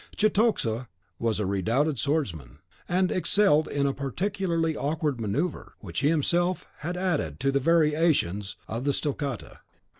Cetoxa was a redoubted swordsman, and excelled in a peculiarly awkward manoeuvre, which he himself had added to the variations of the stoccata.